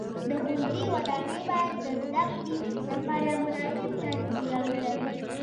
د ښوونځي ودانۍ باید د زده کړې لپاره مناسب چاپیریال ولري.